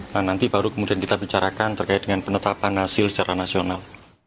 nah nanti baru kemudian kita bicarakan terkait dengan penetapan hasil secara nasional